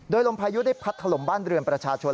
โดยลมพายุได้พัดถล่มบ้านเรือนประชาชน